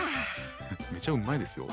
めちゃうまいですよ。